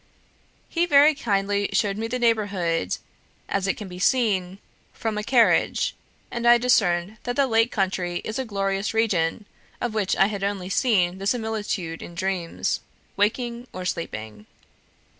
He very kindly showed me the neighbourhood, as it can be seen from a carriage, and I discerned that the Lake country is a glorious region, of which I had only seen the similitude in dreams, waking or sleeping.